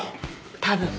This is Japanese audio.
多分。